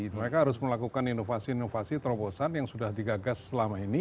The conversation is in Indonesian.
mereka harus melakukan inovasi inovasi terobosan yang sudah digagas selama ini